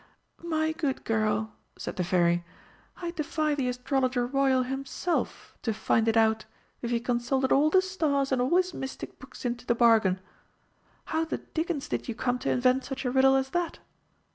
"My good girl," said the Fairy, "I'd defy the Astrologer Royal himself to find it out, if he consulted all the stars and all his mystic books into the bargain! How the dickens did you come to invent such a riddle as that?"